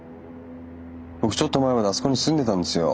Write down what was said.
僕ちょっと前まであそこに住んでたんですよ。